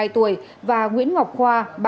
ba mươi hai tuổi và nguyễn ngọc khoa